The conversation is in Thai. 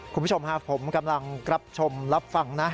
คุณผู้ชมฮะผมกำลังรับชมรับฟังนะ